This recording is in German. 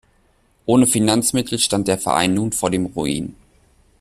Ohne Finanzmittel stand der Verein nun vor dem Ruin.